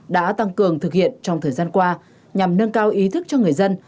đã tăng cường thực hiện trong thời gian qua nhằm nâng cao ý thức cho người dân